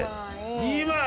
２枚。